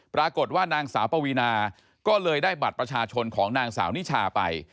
ปรากฏว่านางสาวปวีนาก็เลยได้บัตรประชาชนของนางสาวนิชาไป